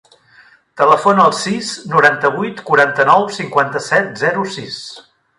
Telefona al sis, noranta-vuit, quaranta-nou, cinquanta-set, zero, sis.